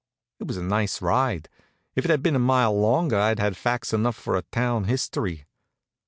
It was a nice ride. If it had been a mile longer I'd had facts enough for a town history.